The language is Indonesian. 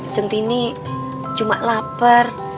cintinny cuma lapar